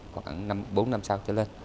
khoảng bốn năm sau trở lên